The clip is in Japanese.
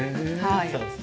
そうですね。